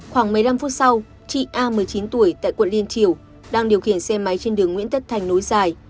khoảng một mươi năm phút sau chị a một mươi chín tuổi tại quận liên triều đang điều khiển xe máy trên đường nguyễn tất thành nối dài